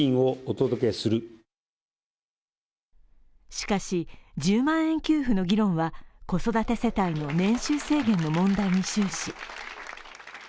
しかし、１０万円給付の議論は子育て世帯の年収制限の問題に終始。